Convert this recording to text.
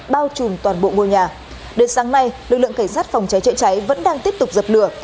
bao trùm toàn bộ ngôi nhà đến sáng nay lực lượng cảnh sát phòng cháy chữa cháy vẫn đang tiếp tục dập lửa